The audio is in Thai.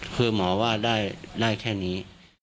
คือหมอว่าได้แค่นี้